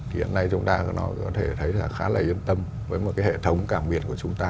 hiện nay chúng ta có thể thấy khá là yên tâm với một hệ thống cảng miền của chúng ta